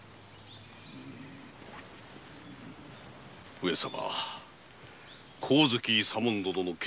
上様香月左門殿の剣